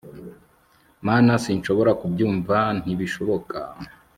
Mana sinshobora kubyumva ntibishoboka